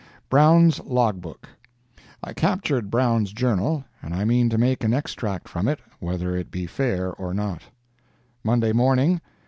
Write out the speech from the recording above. BROWN'S LOG BOOK I captured Brown's journal, and I mean to make an extract from it, whether it be fair or not. "MONDAY MORNING.